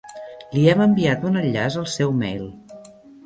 Li hem enviat un enllaç al seu mail.